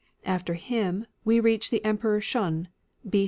After him, we reach the Emperor Shun, b.